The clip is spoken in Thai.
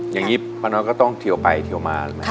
อย่างนี้ป้าน้อยก็ต้องเที่ยวไปเที่ยวมาหรือไหมค่ะ